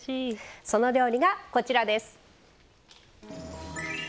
その方法がこちらです。